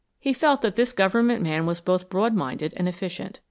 He felt that this Government man was both broad minded and efficient.